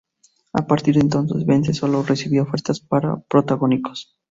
A partir de entonces, Bence solo recibía ofertas para protagónicos.